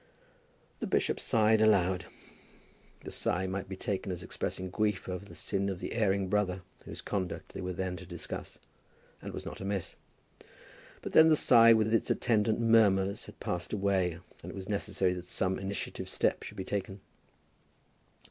The bishop sighed aloud. The sigh might be taken as expressing grief over the sin of the erring brother whose conduct they were then to discuss, and was not amiss. But when the sigh with its attendant murmurs had passed away it was necessary that some initiative step should be taken.